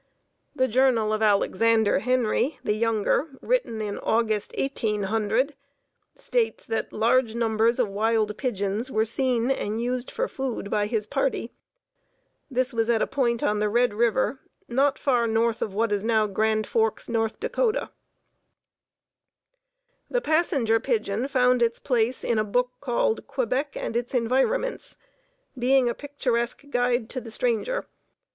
The journal of Alexander Henry, the younger, written in August, 1800, states that large numbers of wild pigeons were seen and used for food by his party. This was at a point on the Red River not far north of what is now Grand Forks, N. D. The Passenger Pigeon found a place in a book called "Quebec and Its Environments; Being a Picturesque Guide to the Stranger."